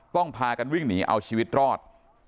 พากันวิ่งหนีเอาชีวิตรอด